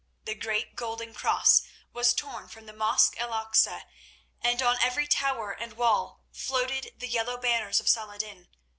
The great golden cross was torn from the mosque el Aksa, and on every tower and wall floated the yellow banners of Saladin.